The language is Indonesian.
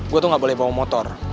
gue tuh gak boleh bawa motor